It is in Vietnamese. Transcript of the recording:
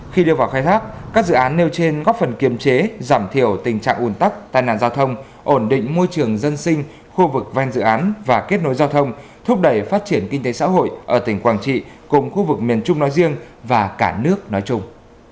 khi đưa vào khai thác các dự án nêu trên góp phần kiềm chế giảm thiểu tình trạng ủn tắc tai nạn giao thông ổn định môi trường dân sinh khu vực ven dự án và kết nối giao thông thúc đẩy phát triển kinh tế xã hội ở tỉnh quảng trị cùng khu vực miền trung nói riêng và cả nước nói chung